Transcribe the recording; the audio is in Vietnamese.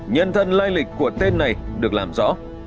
nhân thân lai lịch của tên này được làm rõ